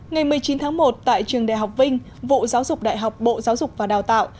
ngày một mươi chín tháng một tại trường đại học vinh vụ giáo dục đại học bộ giáo dục và đào tạo